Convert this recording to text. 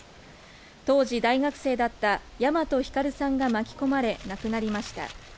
当時大学生だった大和晃さんが巻き込まれ、亡くなりました。